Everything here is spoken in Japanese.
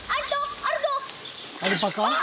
アルパカ？